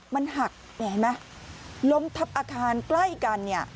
มันหักเห็นไหมล้มทับอาคารใกล้กันเนี่ย